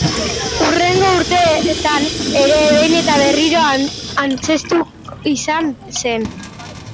Hurrengo urteetan ere behin eta berriro antzeztu izan zen.